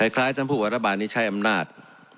คล้ายท่านผู้ว่ารัฐบาลนี้ใช้อำนาจ